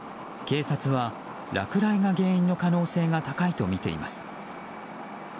警察は落雷の原因の可能性が高いとみています。